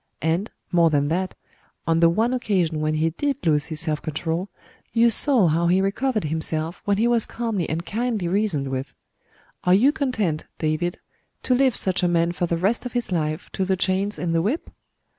And, more than that, on the one occasion when he did lose his self control, you saw how he recovered himself when he was calmly and kindly reasoned with. Are you content, David, to leave such a man for the rest of his life to the chains and the whip?'